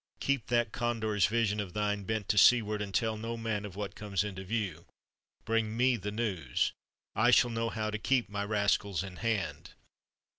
Keep that condor's vision of thine bent to seaward, and tell no man of what comes into view. Bring me the news; I shall know how to keep my rascals in hand.